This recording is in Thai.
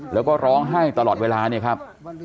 แล้วก็ร้องไห้ตลอดเวลาเนี่ยครับ